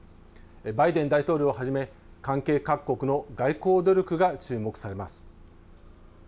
バイデン大統領をはじめ関係各国の外交努力が注目されます。